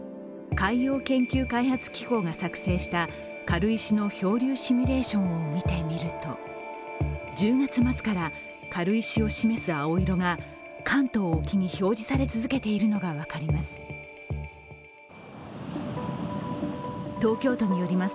海洋研究開発機構が作成した軽石の漂流シミュレーションを見てみると１０月末から軽石を示す青色が関東沖に表示され続けているのが分かります。